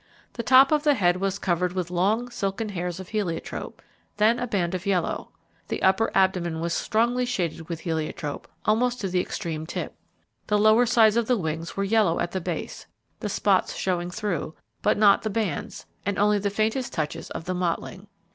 The top of the head was covered with long, silken hairs of heliotrope, then a band of yellow; the upper abdomen was strongly shaded with heliotrope almost to the extreme tip. The lower sides of the wings were yellow at the base, the spots showing through, but not the bands, and only the faintest touches of the mottling.